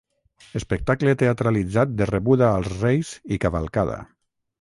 Espectacle teatralitzat de rebuda als reis i cavalcada.